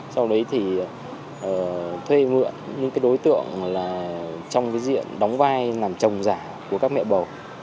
sau đấy thì thuê mượn những cái đối tượng trong diện đóng vai làm chồng giả của các mẹ bầu